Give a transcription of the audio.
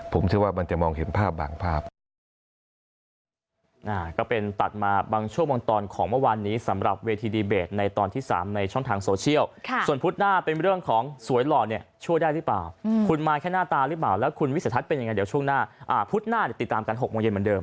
ผมเชื่อว่ามันจะมองเห็นภาพบางภาพ